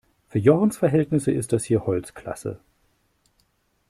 Für Jochens Verhältnisse ist das hier Holzklasse.